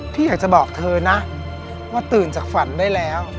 พี่อยากจะบอกเธอนะว่าตื่นจากฝันได้แล้ว